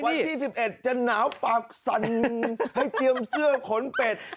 วันที่๑๑จะหนาวปากสั่นให้เตรียมเสื้อขนเป็ด